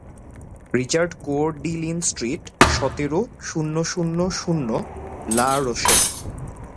Richard Coeur de Lion street, সতের, শূন্য শূন্য শূন্য লা রোশেল